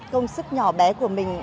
công sức nhỏ bé của mình